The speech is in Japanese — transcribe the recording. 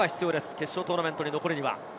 決勝トーナメントに残るには。